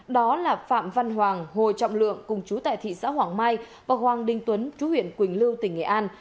đó là phạm văn hoàng hồ trọng lượng cùng chú tại thị xã hoàng mai và hoàng đình tuấn chú huyện quỳnh lưu tỉnh nghệ an